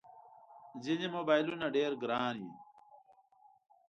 ځینې موبایلونه ډېر ګران وي.